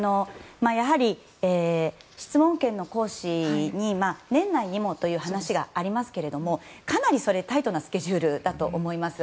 質問権の行使に年内にもという話がありますけどかなりそれ、タイトなスケジュールだと思います。